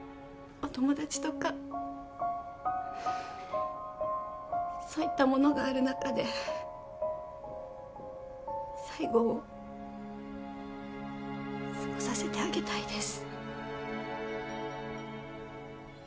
お友達とかそういったものがある中で最期を過ごさせてあげたいです。